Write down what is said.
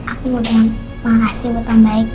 aku mau dima kasih buat om baik